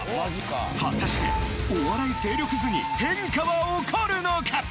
果たしてお笑い勢力図に変化は起こるのか！？